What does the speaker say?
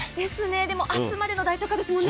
でも、明日までの大特価ですもんね。